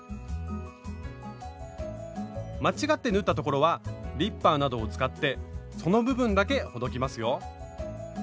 間違って縫ったところはリッパーなどを使ってその部分だけほどきますよ。